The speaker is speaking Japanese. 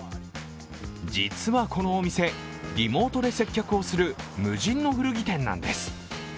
実はこのお店、リモートで接客をする無人の古着店なんです。